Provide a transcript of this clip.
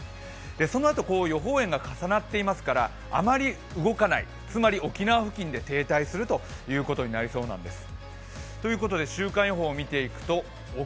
そのあと予報円が重なっていますからあまり動かない、つまり沖縄付近で停滞するということになりそうなんです。